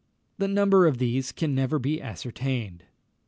The number of these can never be ascertained.